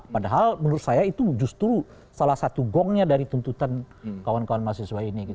padahal menurut saya itu justru salah satu gongnya dari tuntutan kawan kawan mahasiswa ini